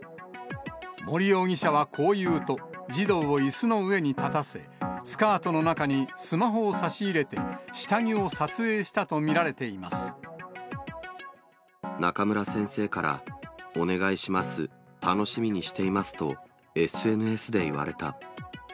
森容疑者はこう言うと、児童をいすの上に立たせ、スカートの中にスマホを差し入れて、下着を撮影したと見られてい中村先生から、お願いします、楽しみにしていますと、ＳＮＳで言われた。